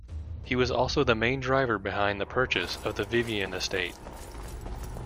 He was also the main driver behind the purchase of the Vivian estate.